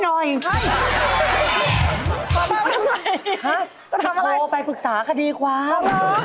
จะทำอะไรขอไปปรึกษาคดีความเออพี่โฟนไปปรึกษาคดีความ